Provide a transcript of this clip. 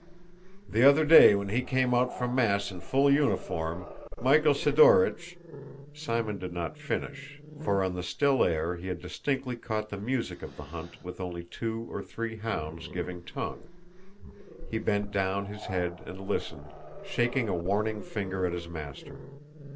"The other day when he came out from Mass in full uniform, Michael Sidórych..." Simon did not finish, for on the still air he had distinctly caught the music of the hunt with only two or three hounds giving tongue. He bent down his head and listened, shaking a warning finger at his master.